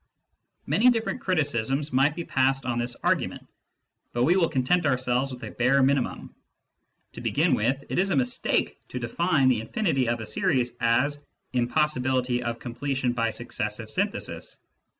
Many different criticisms might be passed on this argument, but we will content ourselves with a bare minimum. To begin with, it is a mistake to define the infinity of a series as "impossibility of completion by successive sjmthesis."